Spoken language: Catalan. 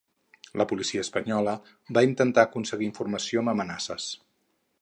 La policia espanyola va intentar aconseguir informació amb amenaces